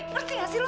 ngerti gak sih lo